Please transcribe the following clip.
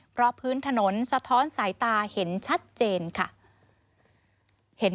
เพราะพื้นถนนสะท้อนสายตาเห็นชัดเจนค่ะ